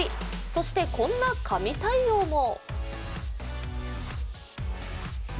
そしてこんな神対応も。